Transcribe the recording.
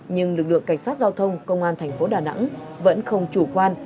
nhưng lực lượng cảnh sát giao thông công an thành phố đà nẵng vẫn không chủ quan